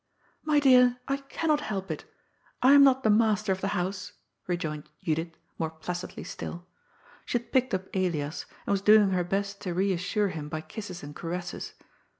" My dear, I cannot help it I am not the master of the house," rejoined Judith, more placidly still. She had picked up Elias, and was doing her best to reassure him by kisses and caresses.